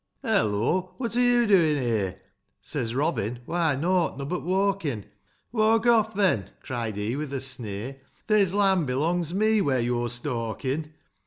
V. "Hollo; what are you doing here?" Says Robin, " Why, nought nobbut walkin' ;"Walk off, then !" cried he, with a sneer ; "This land belongs me, where you're stalking